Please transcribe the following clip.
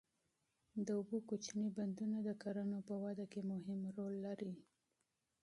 د اوبو کوچني بندونه د کرنې په وده کې مهم رول لري.